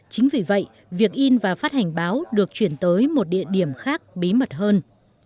chính vì vậy việc in và phát hành báo được chuyển tới một địa điểm khác bí mật hơn